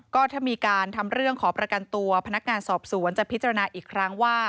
ก็ถ้ามีการทำเรื่องขอประกันตัวพนักงานสอบสวนจะพิจารณาอีกครั้งว่า